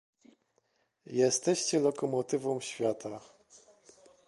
"Jesteście lokomotywą świata"